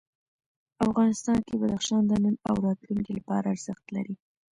افغانستان کې بدخشان د نن او راتلونکي لپاره ارزښت لري.